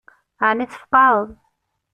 Ɛni tfeqɛeḍ?